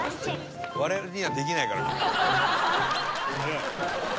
「我々にはできないから」「早い」